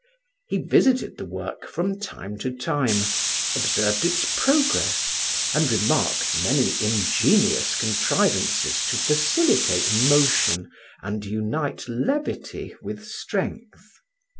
He visited the work from time to time, observed its progress, and remarked many ingenious contrivances to facilitate motion and unite levity with strength.